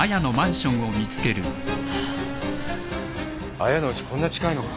亜矢のうちこんな近いのか。